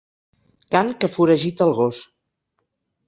Cant que foragita el gos.